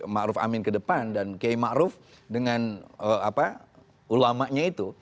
ma'ruf amin ke depan dan kiai ma'ruf dengan ulamanya itu